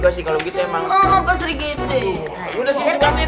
pak sergiti tuh main main banget deh